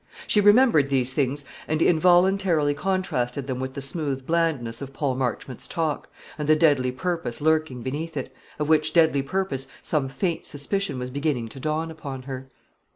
She remembered these things, and involuntarily contrasted them with the smooth blandness of Paul Marchmont's talk, and the deadly purpose lurking beneath it of which deadly purpose some faint suspicion was beginning to dawn upon her.